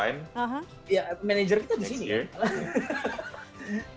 ya manajer kita di sini